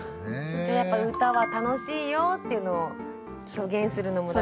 じゃあやっぱ歌は楽しいよっていうのを表現するのも大事ですか？